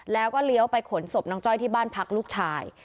แล้วก็เลี้ยวไปขนศพน้องจ้อยที่บ้านพักลูกชาย